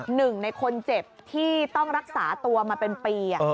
หนึ่งในคนเจ็บที่ต้องรักษาตัวมาเป็นปี